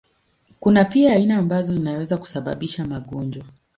Kuna pia aina ambazo zinaweza kusababisha magonjwa.